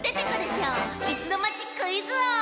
「いすのまちクイズおう」